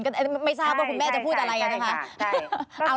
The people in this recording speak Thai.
ไม่ทราบว่าคุณแม่จะพูดอะไรใช่ไหมคะ